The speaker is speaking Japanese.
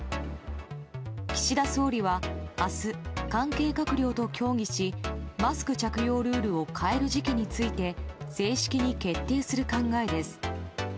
岸田総理は明日関係閣僚と協議しマスク着用ルールを変える時期について正式に決定する考えです。